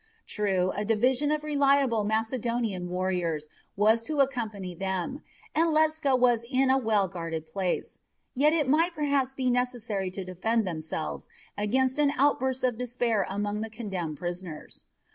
True, a division of reliable Macedonian warriors was to accompany them, and Ledscha was in a well guarded place, yet it might perhaps be necessary to defend themselves against an outburst of despair among the condemned prisoners.